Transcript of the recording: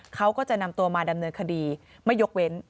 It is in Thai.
เขาก็จะนำตัวมาดำเนินคดีไม่ยกเว้น